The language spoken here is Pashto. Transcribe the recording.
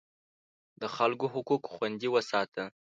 د خلکو حقوق خوندي وساته.